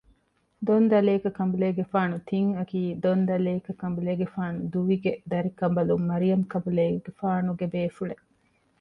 ދޮން ދަލޭކަ ކަނބުލޭގެފާނު ތިން އަކީ ދޮން ދަލޭކަ ކަނބުލޭގެފާނު ދުވި ގެ ދަރިކަނބަލުން މަރިޔަމް ކަނބުލޭގެފާނުގެ ބޭފުޅެއް